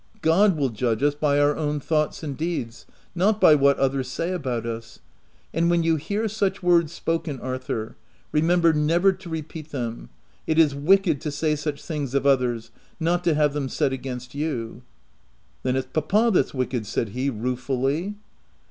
God will judge us by our own thoughts and deeds, not by what others say about us. And when you hear such words spoken, Arthur, remember never to repeat them : it is wicked to say such things of others, not to have them said against you." " Then it's papa that's wicked," said he, rue fully.